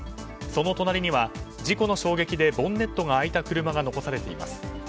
その隣には、事故の衝撃でボンネットが開いた車が残されています。